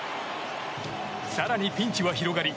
更にピンチは広がり